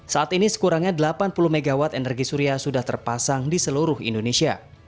saat ini sekurangnya delapan puluh mw energi surya sudah terpasang di seluruh indonesia